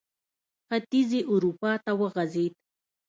ختیځې اروپا ته وغځېد.